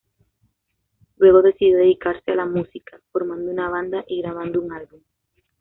Luego decidió dedicarse a la música, formando una banda y grabando un álbum.